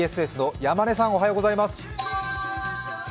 ＢＳＳの山根さん、おはようございます。